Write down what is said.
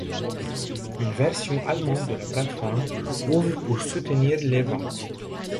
Une version allemande de la plateforme ouvre pour soutenir les ventes.